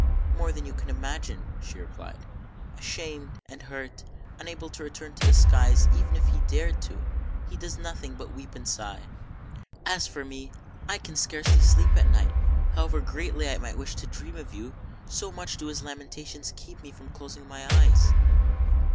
" More than you can imagine," she replied. " Ashamed and hurt, unable to return to the skies, even if he dared to, io6 THE FAIRY SPINNING WHEEL he does nothing but weep and sigh. As for me, I can scarcely sleep at night, however greatly I might wish to dream of you, so much do his lamentations keep me from closing my eyes."